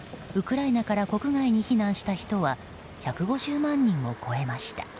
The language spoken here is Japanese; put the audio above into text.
ウクライナから国外に避難した人は１５０万人を超えました。